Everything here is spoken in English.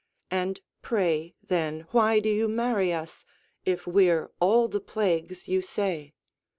And pray, then, why do you marry us, If we're all the plagues you say?